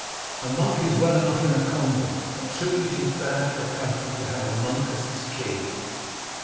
A monk is well enough in a convent, but truly 'tis bad for a country to have a monk as its king."